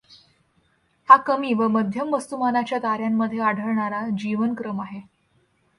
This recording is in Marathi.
हा कमी व मध्यम वस्तूमानाच्या ताऱ्यांमधे आढळणारा जीवनक्रम आहे.